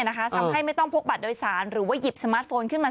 ทำให้ไม่ต้องพกบัตรโดยสารหรือว่าหยิบสมาร์ทโฟนขึ้นมา